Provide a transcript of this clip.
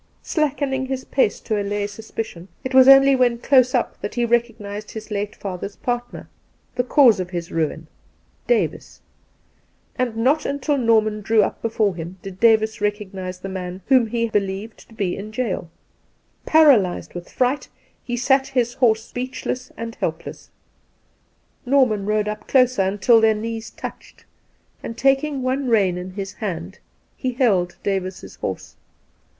Slackening his pace to allay suspicion, it was only when close 21 8 Two Christmas Days up that he recognised his late father's partner — the cause of his ruin — Davis ; and not until Norman drew up before him did Davis recognise the man whom he believed to be in gaol. Paralyzed with fright, he sat his horse speechless and help less. Norman rode up closer until their knees touched, and taking one rein in his hand, he held Davis's horse.